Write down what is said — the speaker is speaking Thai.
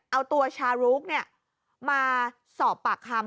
เอาตัวชารุกมาสอบปากคำ